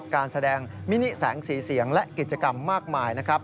การแสดงมินิแสงสีเสียงและกิจกรรมมากมายนะครับ